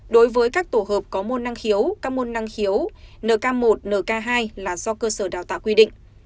đối với các tổ hợp có môn năng khiếu các môn năng khiếu nk một nk hai là do cơ sở đào tạo quy định